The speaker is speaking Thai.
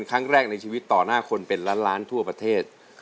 กับพฟรีมทั้งล้างทั่วประเทศ